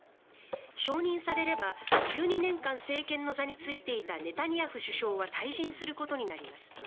承認されれば１２年間、政権の座に就いていたネタニヤフ首相は退陣することになります。